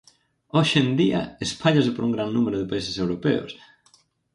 Hoxe en día espállase por un gran número de países europeos.